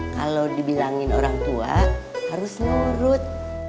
kalau dibilangin orang tua harus nurut